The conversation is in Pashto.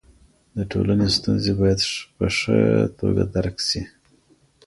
د ټولني ستونزې باید په ښه توګه درک سي.